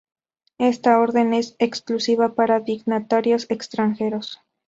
Esta orden es exclusiva para dignatarios extranjeros.